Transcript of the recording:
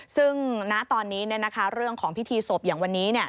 ซึ่งณตอนนี้เนี่ยนะคะเรื่องของพิธีศพอย่างวันนี้เนี่ย